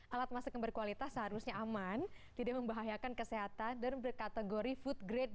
alat masak yang berkualitas seharusnya aman tidak membahayakan kesehatan dan berkategori food grade